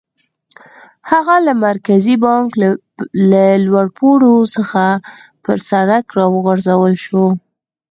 هغه له مرکزي بانک له لوړ پوړ څخه پر سړک را وغورځول شو.